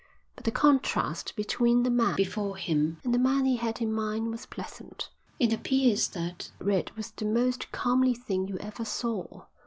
But the contrast between the man before him and the man he had in mind was pleasant. "It appears that Red was the most comely thing you ever saw.